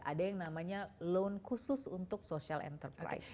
ada yang namanya loan khusus untuk social enterprise